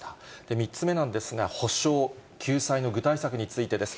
３つ目なんですが、補償、救済の具体策についてです。